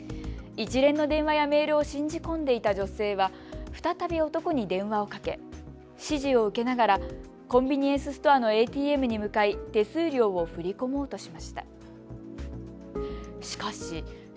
一連の電話やメールを信じ込んでいた女性は再び男に電話をかけ、指示を受けながらコンビニエンスストアのＡＴＭに向かい、手数料を振り込もうとしました。